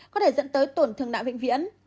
có thể dẫn tới tổn thương não vĩnh viễn